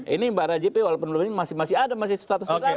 ini mbak rajipi walaupun dulu ini masih ada masih statusnya